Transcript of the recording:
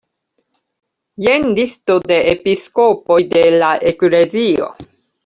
Jen listo de episkopoj de la eklezio.